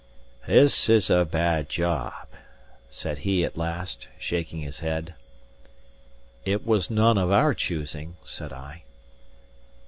"This is a bad job," said he at last, shaking his head. "It was none of our choosing," said I.